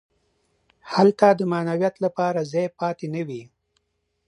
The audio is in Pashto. هلته د معنویت لپاره ځای پاتې نه وي.